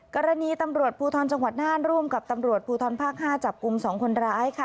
กรณีตำรวจภูทรจังหวัดน่านร่วมกับตำรวจภูทรภาค๕จับกลุ่ม๒คนร้ายค่ะ